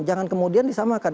jangan kemudian disamakan